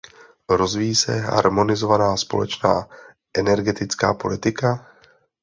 Rozvíjí se harmonizovaná společná energetická politika?